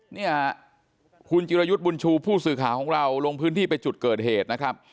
เนี่ยคุณจิรยุทธ์บุญชูผู้สื่อข่าวของเราลงพื้นที่ไปจุดเกิดเหตุนะครับ